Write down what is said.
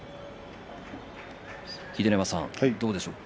秀ノ山さん、どうでしょうか。